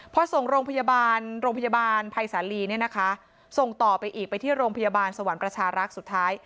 พอส่งโรงพยาบาลโรงพยาบาลภัยสาลีเนี่ยนะคะส่งต่อไปอีกไปที่โรงพยาบาลสวรรค์ประชารักษ์สุดท้าย